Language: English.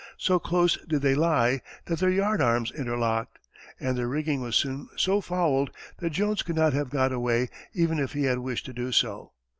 So close did they lie that their yardarms interlocked, and their rigging was soon so fouled that Jones could not have got away, even had he wished to do so.